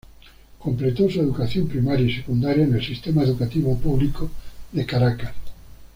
Completó su educación primaria y secundaria en el sistema educativo público de Caracas.